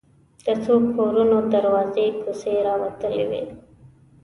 د څو کورونو دروازې کوڅې ته راوتلې وې.